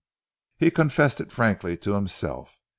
He confessed it frankly to himself.